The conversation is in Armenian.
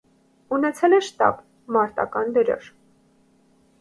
Ունեցել է շտաբ, մարտական դրոշ։